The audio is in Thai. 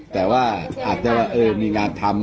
แต่ว่าอาจจะว่ามีงานทำ